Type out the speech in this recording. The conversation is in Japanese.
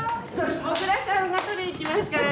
もぐらさんが取りに行きますからね。